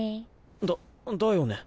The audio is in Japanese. だだよね。